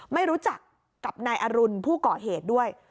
ไม่รู้จักกับนายอรุณผู้ก่อเหตุด้วย